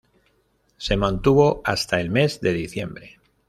Se mantuvo hasta el mes de diciembre.